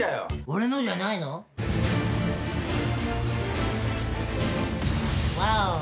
俺のじゃないの⁉「ワーオ！」